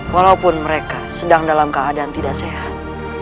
walaupun mereka sedang dalam keadaan tidak sehat